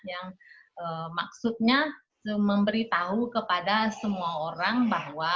yang maksudnya memberi tahu kepada semua orang bahwa